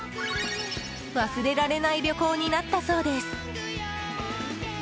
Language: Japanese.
忘れられない旅行になったそうです。